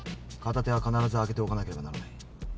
片手は必ず空けておかなければならない。